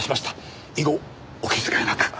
以後お気遣いなく。